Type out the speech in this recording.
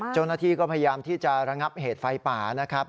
เจ้าหน้าที่ก็พยายามที่จะระงับเหตุไฟป่านะครับ